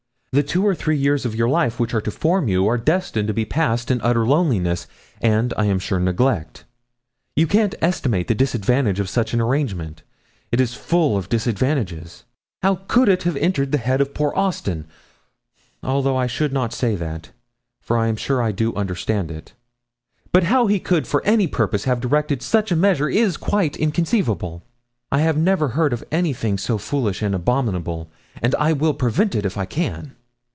The two or three years of your life which are to form you are destined to be passed in utter loneliness, and, I am sure, neglect. You can't estimate the disadvantage of such an arrangement. It is full of disadvantages. How it could have entered the head of poor Austin although I should not say that, for I am sure I do understand it, but how he could for any purpose have directed such a measure is quite inconceivable. I never heard of anything so foolish and abominable, and I will prevent it if I can.'